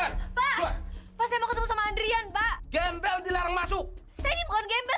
keluar keluar pasang ketemu sama andrian pak gembel dilarang masuk saya bukan gembel